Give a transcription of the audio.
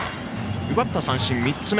奪った三振、３つ目。